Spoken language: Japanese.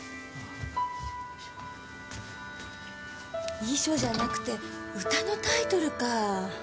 遺書じゃなくて歌のタイトルか。